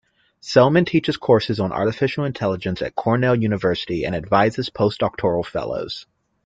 Selman teaches courses on artificial intelligence at Cornell University and advises postdoctoral fellows.